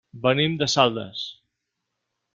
Venim de Saldes.